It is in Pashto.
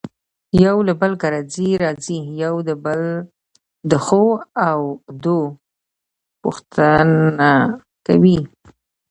يو له بل کره ځي راځي يو د بل دښو او دو پوښنته کوي.